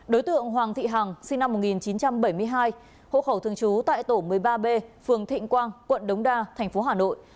đối tượng hoàng thị hằng sinh năm một nghìn chín trăm bảy mươi hai hộ khẩu thường trú tại tổ một mươi ba b phường thịnh quang quận đống đa thành phố hà nội